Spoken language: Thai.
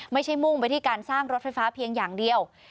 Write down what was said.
มุ่งไปที่การสร้างรถไฟฟ้าเพียงอย่างเดียว